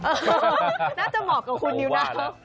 น่าจะเหมาะกับคุณนิวนะ